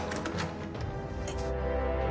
えっ！？